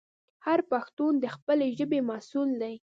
هر پښتون د خپلې ژبې مسوول دی.